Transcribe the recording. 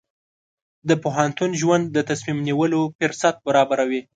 د پوهنتون ژوند د تصمیم نیولو فرصت برابروي.